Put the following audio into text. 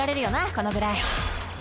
このくらい。